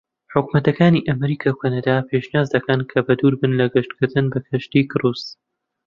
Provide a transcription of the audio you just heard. حکومەتەکانی ئەمەریکا و کەنەدا پێشنیاز دەکەن کە بە دووربن لە گەشتکردن بە کەشتی کروس.